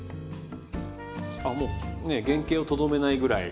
あもうね原形をとどめないぐらい。